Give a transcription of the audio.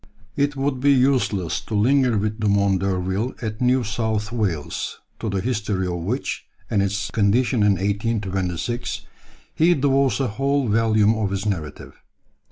] It would be useless to linger with Dumont d'Urville at New South Wales, to the history of which, and its condition in 1826, he devotes a whole volume of his narrative.